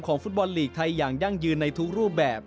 ฟุตบอลลีกไทยอย่างยั่งยืนในทุกรูปแบบ